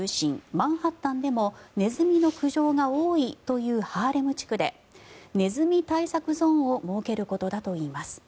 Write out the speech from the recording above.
マンハッタンでもネズミの苦情が多いというハーレム地区でネズミ対策ゾーンを設けることだといいます。